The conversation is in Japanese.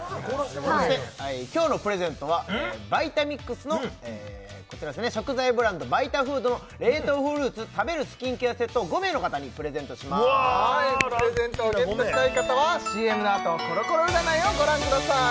そして今日のプレゼントはＶｉｔａｍｉｘの食材ブランドＶＩＴＡＦＯＯＤの冷凍フルーツ食べるスキンケアセットを５名の方にプレゼントしますプレゼントをゲットしたい方はＣＭのあとコロコロ占いをご覧ください